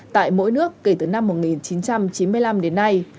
tại mỗi nước kể từ năm một nghìn chín trăm chín mươi năm đến nay